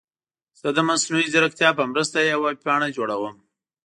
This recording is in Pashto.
زه د مصنوعي ځیرکتیا په مرسته یوه ویب پاڼه جوړوم.